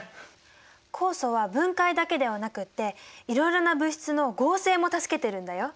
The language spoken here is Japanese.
酵素は分解だけではなくていろいろな物質の合成も助けてるんだよ。